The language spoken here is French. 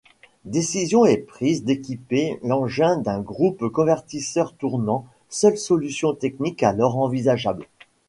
Décision est prise d'équiper l'engin d'un groupe convertisseur tournant, seule solution technique alors envisageable.